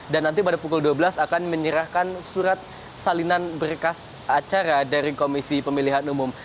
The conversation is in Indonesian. dan nanti pada pukul dua belas akan menyerahkan surat salinan berkas acara dari komisi pemilihan umum